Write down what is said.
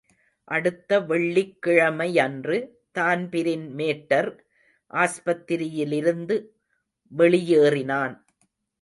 அடுத்த வெள்ளிக்கிழமையன்று தான்பிரின் மேட்டர் ஆஸ்பத்திரியிலிருந்து வெளியேறினான்.